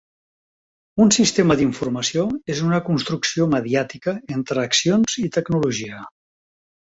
Un sistema d'informació és una construcció mediàtica entre accions i tecnologia.